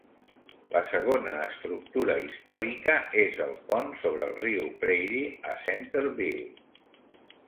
La segona estructura històrica és el pont sobre el riu Prairie a Centerville.